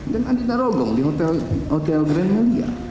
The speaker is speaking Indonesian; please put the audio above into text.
dan adina rombong di hotel grand melia